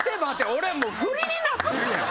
俺もう振りになってるやん。